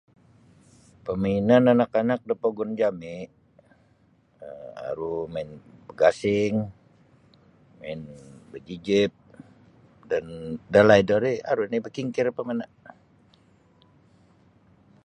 Pemainan anak-anak da pogun jami um aru main gasing main bejijit dan da laid ri aru no bekingkir pamana